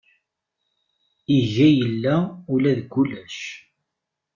Iga illa ula deg ulac.